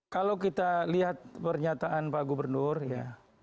kalau kita lihat pernyataan pak gubernur ya